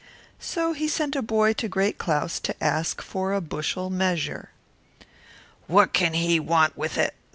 Then he sent a boy to Great Claus to borrow a bushel measure. "What can he want it for?"